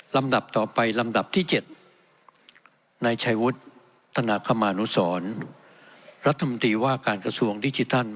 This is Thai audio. ลำดับต่อไปลำดับที่๗นายชัยวุฒิธนาคมานุสรรัฐมนตรีว่าการกระทรวงดิจิทัล